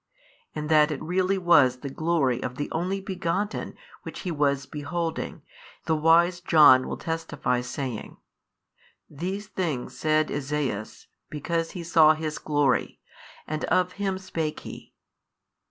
And that it really was the Glory of the Only Begotten which he was beholding, the wise John will testify saying, These things said Esaias because 16 he saw His glory: and of Him spake he.